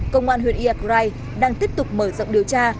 công an huyện ia krai đang tiếp tục mở rộng điều tra